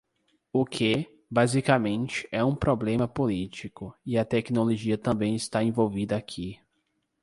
O que, basicamente, é um problema político, e a tecnologia também está envolvida aqui.